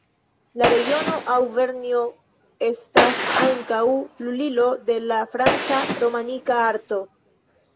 La regiono Aŭvernjo estas ankaŭ lulilo de la franca romanika arto.